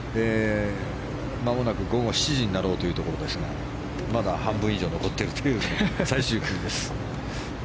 まもなく午後７時になろうというところですがまだ半分以上残っているのが最終組です。